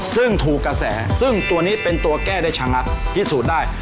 ซึ่งถูกกระแสซึ่งตัวนี้เป็นตัวแก้ได้ชะงักพิสูจน์ได้